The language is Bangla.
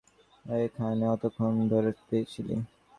ওখানে কতক্ষণ ধরে ছিল?